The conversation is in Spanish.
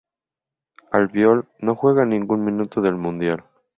Albiol no jugo ningún minuto del mundial.